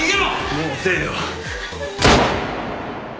もう遅えよ。